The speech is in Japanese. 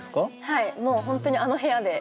はいもう本当にあの部屋で。